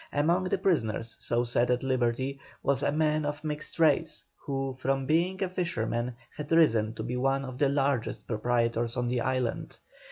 Among the prisoners so set at liberty was a man of mixed race, who from being a fisherman had risen to be one of the largest proprietors on the island.